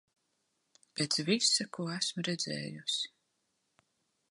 Pēc visa, ko es esmu redzējusi...